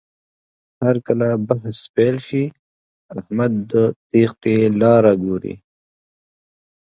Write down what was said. هرکله بحث پیل شي، احمد د تېښتې لاره ګوري.